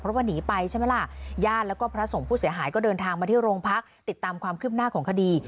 เพราะว่าหนีไปใช่ไหมล่ะญาติแล้วก็พระสงฆ์ผู้เสียหายก็เดินทางมาที่โรงพักติดตามความคืบหน้าของคดี